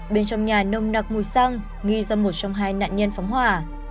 bên trong nhà nông nặc mùi xăng nghi do một trong hai nạn nhân phóng hỏa